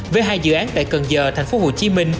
với hai dự án tại cần giờ tp hcm